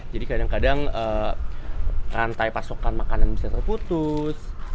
jadi kadang kadang rantai pasokan makanan bisa terputus